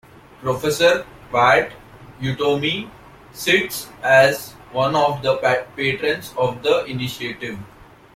Professor Pat Utomi sits as one of the patrons of the initiative.